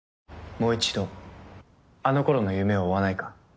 もう１度あの頃の夢を追わないか？